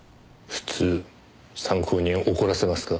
普通参考人怒らせますか？